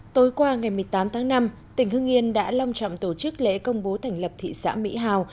tối qua ngày một mươi tám tháng năm tỉnh hưng yên đã long trọng tổ chức lễ công bố thành lập thị xã mỹ hào